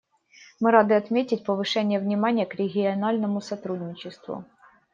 Мы рады отметить повышение внимания к региональному сотрудничеству.